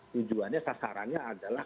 tujuannya sasarannya adalah